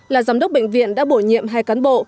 là giám đốc bệnh viện đã bổ nhiệm hai cán bộ